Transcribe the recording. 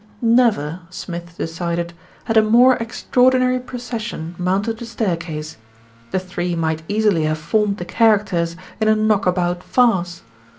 Never, Smith decided, had a more extraordinary procession mounted a staircase. The three might easily have formed the characters in a knock about farce.